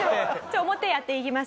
表やっていきます。